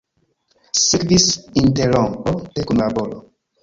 Sekvis interrompo de kunlaboro.